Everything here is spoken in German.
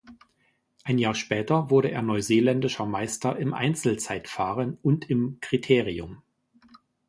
Ein Jahr später wurde er neuseeländischer Meister im Einzelzeitfahren und im Kriterium.